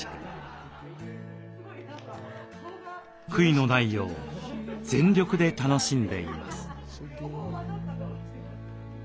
悔いのないよう全力で楽しんでいます。